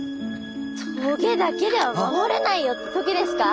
棘だけでは守れないよって時ですか？